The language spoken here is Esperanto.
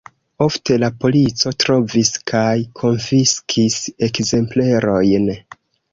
Ofte la polico trovis kaj konfiskis ekzemplerojn.